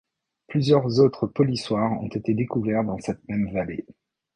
Plusieurs autres polissoirs ont été découverts dans cette même vallée.